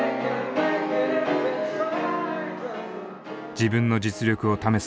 自分の実力を試す